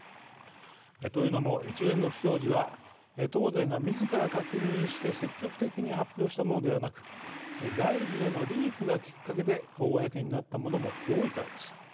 というのも一連の不祥事は東電がみずから確認して積極的に発表したものではなく外部へのリークがきっかけで公になったものも多いからです。